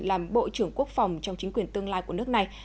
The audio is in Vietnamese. làm bộ trưởng quốc phòng trong chính quyền tương lai của nước này